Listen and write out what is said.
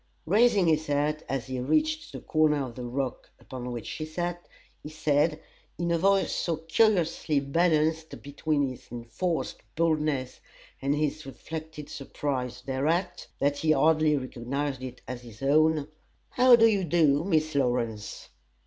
Raising his hat as he reached the corner of the rock upon which she sat, he said, in a voice so curiously balanced between his enforced boldness and his reflected surprise thereat, that he hardly recognized it as his own: "How do you do, Miss Lawrence?"